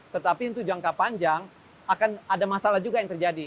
tetapi untuk jangka panjang akan ada masalah juga yang terjadi